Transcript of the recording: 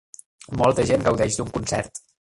Molta gent gaudeix d'un concert.